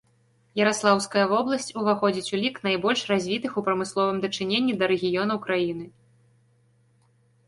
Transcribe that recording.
Яраслаўская вобласць уваходзіць у лік найбольш развітых у прамысловым дачыненні да рэгіёнаў краіны.